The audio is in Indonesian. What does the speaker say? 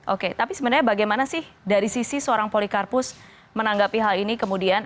oke tapi sebenarnya bagaimana sih dari sisi seorang polikarpus menanggapi hal ini kemudian